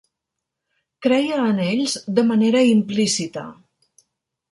Creia en ells de manera implícita.